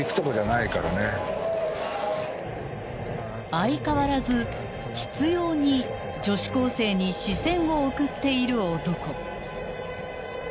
［相変わらず執拗に女子高生に視線を送っている男］